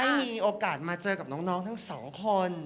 มีโอกาสมาเจอกับน้องทั้งสองคน